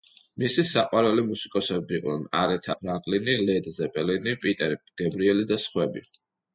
მისი საყვარელი მუსიკოსები იყვნენ: არეთა ფრანკლინი, ლედ ზეპელინი, პიტერ გებრიელი და სხვები.